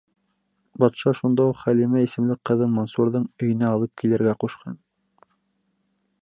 Батша шунда уҡ Хәлимә исемле ҡыҙын Мансурҙың өйөнә алып килергә ҡушҡан.